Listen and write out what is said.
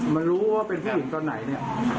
ไม่รู้ว่าเป็นผู้หญิงตอนไหนเนี่ย